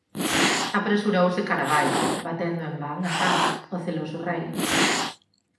Apresurouse cara abaixo, batendo en van as ás, o celoso rei.